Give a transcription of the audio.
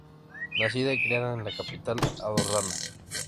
Nacida y criada en la capital andorrana.